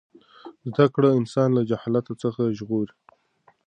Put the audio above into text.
زده کړه انسان له جهالت څخه ژغوري.